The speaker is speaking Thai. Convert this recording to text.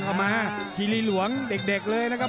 เอามาคีรีหลวงเด็กเลยนะครับ